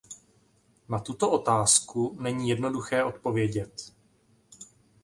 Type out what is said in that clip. Na tuto otázku není jednoduché odpovědět.